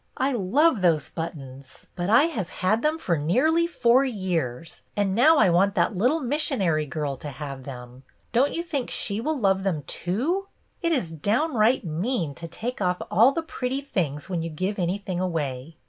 I love those buttons, but I have had them for 28 BETTY BAIRD nearly four years, and now 1 want that little missionary girl to have them. Don't you think she will love them too.? It is down right mean to take off all the pretty things when you give anything away.